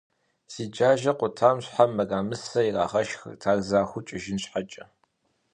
Зи дзажэ къутам хьэ мырамысэ ирагъэшхырт, ар захуэу кӏыжын щхьэкӏэ.